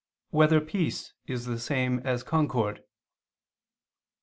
1] Whether Peace Is the Same As Concord?